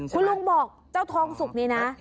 ครูลุงบอกจ้าวทองศุกร์เนี่ยนะ